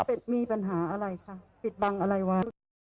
เป็นมีปัญหาอะไรค่ะปิดบังอะไรวะ